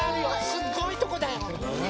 すごいとこだよ。